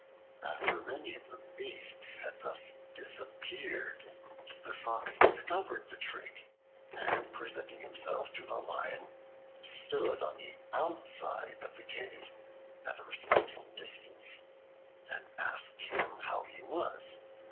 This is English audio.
After many of the beasts had thus disappeared, the Fox discovered the trick and presenting himself to the Lion, stood on the outside of the cave, at a respectful distance, and asked him how he was.